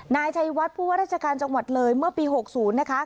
นายชัยวัดผู้ว่าราชการจังหวัดเลยเมื่อปี๖๐นะคะ